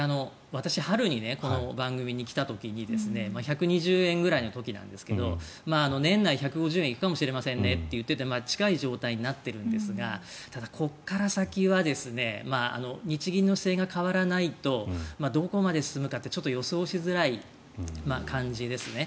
私、春にこの番組に来た時に１２０円ぐらいの時なんですが年内１５０円行くかもしれませんねと言っていて近い状態になっているんですがただ、ここから先は日銀の姿勢が変わらないとどこまで進むかって、ちょっと予想しづらい感じですね。